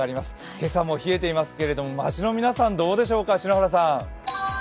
今朝も冷えていますけど街の皆さん、どうでしょうか、篠原さん。